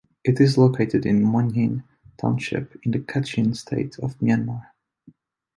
It is located in Mohnyin Township in the Kachin State of Myanmar.